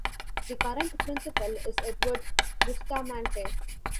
The current principal is Edward Bustamante.